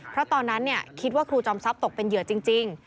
เพราะตอนนั้นคิดว่าครูจอมทรัพย์ตกเป็นเหยื่อจริง